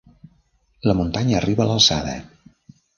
La muntanya arriba a l'alçada.